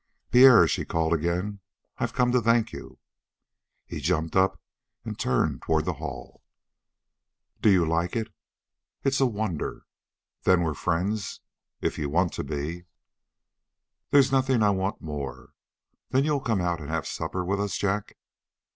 "Pierre!" she called again. "I've come to thank you." He jumped up and turned toward the hall. "Do you like it?" "It's a wonder!" "Then we're friends?" "If you want to be." "There's nothing I want more. Then you'll come out and have supper with us, Jack?"